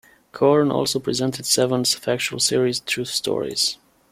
Coren also presented Seven's factual series "True Stories".